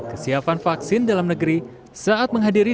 kesiapan vaksin dalam negeri saat menghadiri